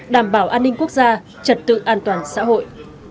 đảm bảo an ninh quốc gia trật tự an toàn xã hội